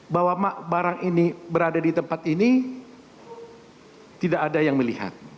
bahwa barang ini berada di tempat ini tidak ada yang melihat